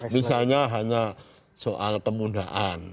misalnya hanya soal kemudahan